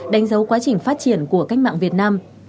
đánh dấu quá trình phát triển của cách mạng việt nam